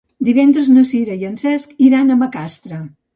Divendres na Sira i en Cesc iran a Macastre.